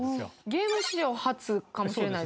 ゲーム史上初かもしれない？